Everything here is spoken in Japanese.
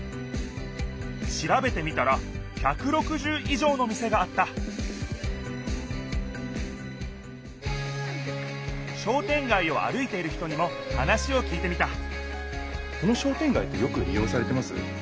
しらべてみたら１６０いじょうの店があった商店街を歩いている人にも話をきいてみたこの商店街ってよくり用されてます？